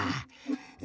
え